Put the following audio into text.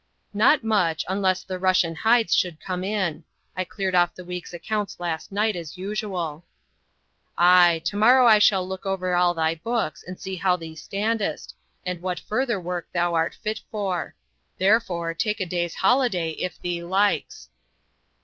"Not much, unless the Russian hides should come in; I cleared off the week's accounts last night, as usual." "Ay, to morrow I shall look over all thy books and see how thee stand'st, and what further work thou art fit for. Therefore, take a day's holiday, if thee likes."